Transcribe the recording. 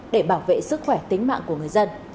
để bảo vệ sức khỏe tính mạng của người dân